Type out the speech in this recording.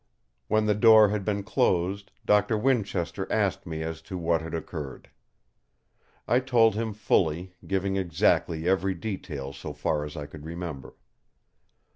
When the door had been closed Doctor Winchester asked me as to what had occurred. I told him fully, giving exactly every detail so far as I could remember.